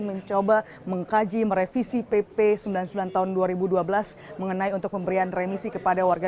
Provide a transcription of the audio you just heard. mencoba mengkaji merevisi pp sembilan puluh sembilan tahun dua ribu dua belas mengenai untuk pemberian remisi kepada warga